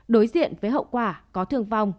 đối diện với hậu quả có thương vong